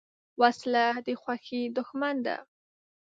وسله د خوښۍ دښمن ده